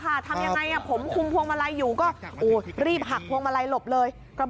ทำยังไงผมคุมพวงมาลัยอยู่ก็รีบหักพวงมาลัยหลบเลย